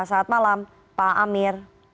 saat malam pak amir